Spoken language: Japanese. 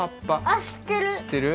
あっしってる！